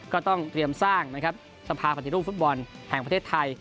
ก็ต้องเตรียมสร้างนะครับสภาปฏิรูปฟุตบอลแห่งประเทศไทย